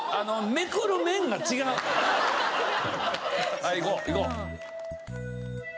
はいいこういこう。